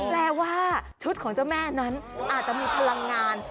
แปลว่าชุดของเจ้าแม่นั้นอาจจะมีพลังงาน